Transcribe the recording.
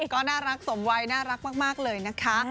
ก็น่ารักสมวัยน่ารักมากเลยนะคะ